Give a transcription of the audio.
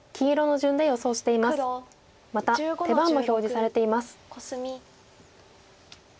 また手番も表示されています。